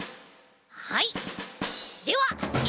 はい。